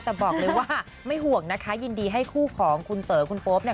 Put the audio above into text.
แต่บอกเลยว่าไม่ห่วงนะคะยินดีให้คู่ของคุณเต๋อคุณโป๊ปเนี่ย